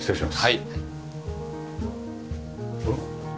はい。